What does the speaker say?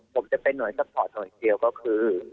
อ๋อผมจะเป็นหน่วยสปอร์ตหน่วยเซียวก็คือ